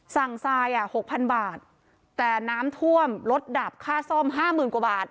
ทรายอ่ะหกพันบาทแต่น้ำท่วมลดดับค่าซ่อมห้าหมื่นกว่าบาท